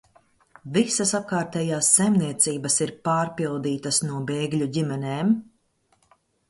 Visas apkārtējās saimniecības ir pārpildītas no bēgļu ģimenēm.